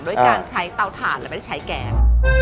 โดยการใช้เตาถ่านแล้วไม่ได้ใช้แก๊ก